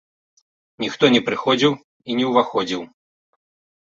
Ніхто не прыходзіў і не ўваходзіў.